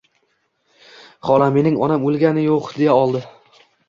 Hola, mening onam o'lgani yo'q, — deya oldi.